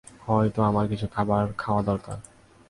হয়তো আমার কিছু খাবার খাওয়া দরকার।